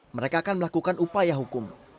mereka akan melakukan upaya hukum